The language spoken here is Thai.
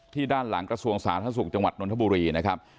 ด้านหลังกระทรวงสาธารณสุขจังหวัดนทบุรีนะครับ